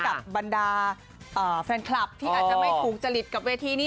กับบรรดาแฟนคลับที่อาจจะไม่ถูกจริตกับเวทีนี้